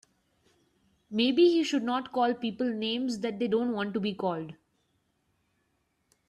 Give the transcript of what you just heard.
Maybe he should not call people names that they don't want to be called.